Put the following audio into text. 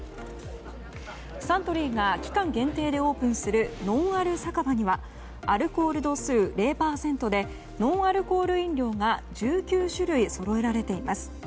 サントリーが期間限定でオープンするのんある酒場にはアルコール度数０％でノンアルコール飲料が１９種類そろえられています。